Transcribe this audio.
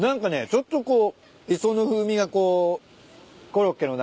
ちょっとこう磯の風味がコロッケの中に入ってる感じ。